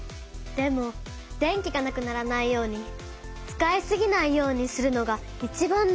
でも電気がなくならないように使いすぎないようにするのがいちばん大事なのよ。